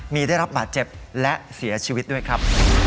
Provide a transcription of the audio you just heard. มีได้รับบาดเจ็บและเสียชีวิตด้วยครับ